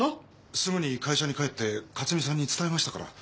すぐに会社に帰って克巳さんに伝えましたから。